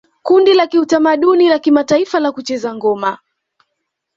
Kundi la kitamaduni la kimataifa la kucheza ngoma